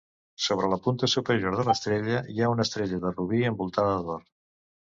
Sobre la punta superior de l'estrella hi ha una estrella de robí envoltada d'or.